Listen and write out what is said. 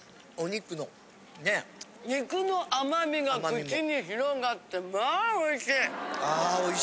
肉の甘みが口に広がってまあおいしい。